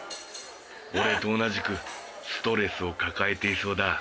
俺と同じくストレスを抱えていそうだ。